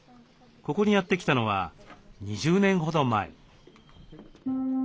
ここにやって来たのは２０年ほど前。